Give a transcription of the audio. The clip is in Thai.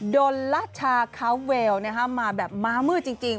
ดนละชาคาวเวลมาแบบม้ามืดจริง